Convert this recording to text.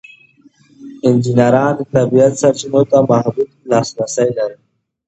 انجینران د طبیعت سرچینو ته محدود لاسرسی لري.